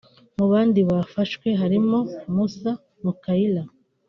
Mu bandi bafashwe harimo Moussa Moukaïla